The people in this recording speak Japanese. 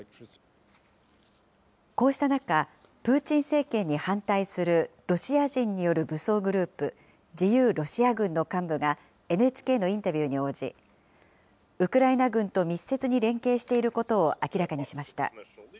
こうした中、プーチン政権に反対するロシア人による武装グループ、自由ロシア軍の幹部が、ＮＨＫのインタビューに応じ、ウクライナ軍と密接に連携していることを明らかにしました。